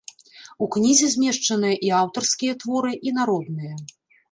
У кнізе змешчаныя і аўтарскія творы, і народныя.